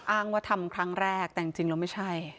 อ้างว่าทำครั้งแรกแต่จริงแล้วไม่ใช่